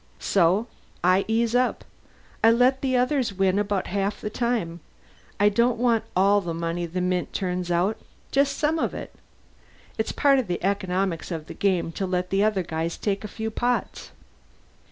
So I ease up. I let the others win about half the time. I don't want all the money the mint turns out just some of it. It's part of the economics of the game to let the other guys take a few pots."